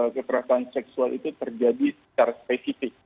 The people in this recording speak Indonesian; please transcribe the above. kekerasan seksual itu terjadi secara spesifik